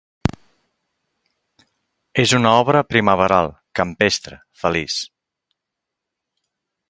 És una obra primaveral, campestre, feliç.